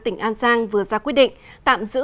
tỉnh an giang vừa ra quyết định tạm giữ